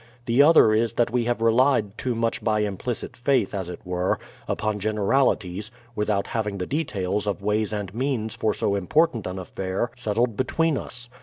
The other is that we have relied too much by implicit faith as it were, upon generalities, without having the details of ways and means for so important an affair settled between us.